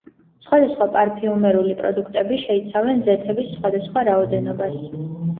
სხვადასხვა პარფიუმერული პროდუქტები შეიცავენ ზეთების სხვადასხვა რაოდენობას.